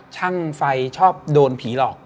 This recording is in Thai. ช่างไฟชอบโดนผีหลอก